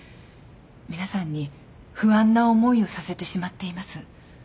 皆さんに不安な思いをさせてしまっています。